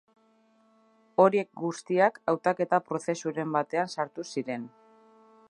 Horiek guztiak hautaketa-prozesuren batean sartu ziren.